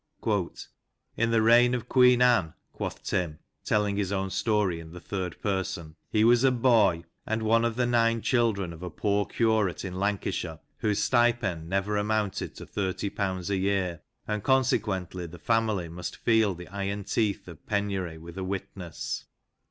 " In the reign of Queen Anne," quoth Tim, telling his own story in the third person, " he was a boy, and one of the nine children of a poor curate in Lancashire, whose stipend never amounted to thirty pounds a year, and con sequently the family must feel the iron teeth of penury with a witness.